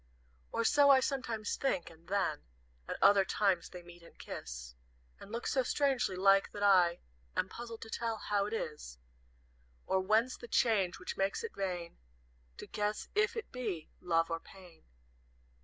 "Or so I sometimes think; and then, At other times, they meet and kiss, And look so strangely like, that I Am puzzled to tell how it is, Or whence the change which makes it vain To guess if it be Love or Pain.